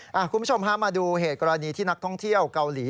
คุณผู้ชมฮะมาดูเหตุกรณีที่นักท่องเที่ยวเกาหลี